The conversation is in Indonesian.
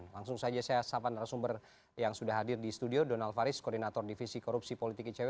langsung saja saya sapa narasumber yang sudah hadir di studio donald faris koordinator divisi korupsi politik icw